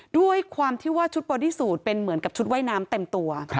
ด้วยความที่ว่าชุดบอดี้สูตรเป็นเหมือนกับชุดว่ายน้ำเต็มตัว